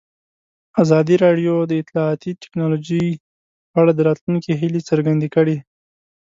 ازادي راډیو د اطلاعاتی تکنالوژي په اړه د راتلونکي هیلې څرګندې کړې.